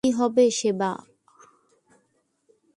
কী হবে সেবা!